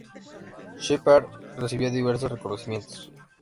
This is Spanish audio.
Shepard recibió diversos reconocimientos.